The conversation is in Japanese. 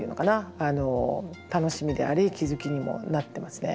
楽しみであり気付きにもなってますね。